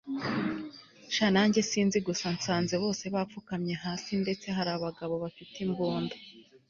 sha nanjye sinzi, gusa nsaze bose bapfukamye hasi ndetse harabagabo bafite imbunda